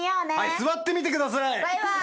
座って見てください！